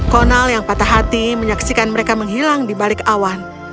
konal yang patah hati menyaksikan mereka menghilang di balik awan